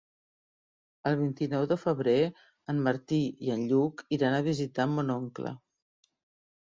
El vint-i-nou de febrer en Martí i en Lluc iran a visitar mon oncle.